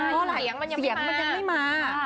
เพราะเสียงมันยังไม่มา